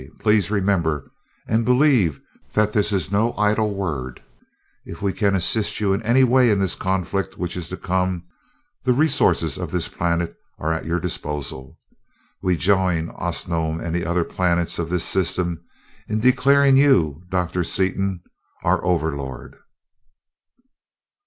Please remember, and believe that this is no idle word if we can assist you in any way in this conflict which is to come, the resources of this planet are at your disposal. We join Osnome and the other planets of this system in declaring you, Doctor Seaton, our Overlord."